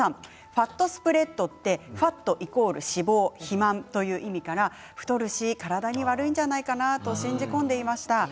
ファットスプレッドはファットイコール脂肪、肥満という意味から太るし体に悪いと信じ込んでいました。